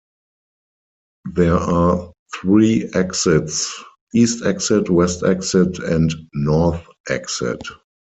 There are three exits: East exit, West exit, and North exit.